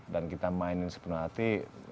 dan kita mainin sepenuh hati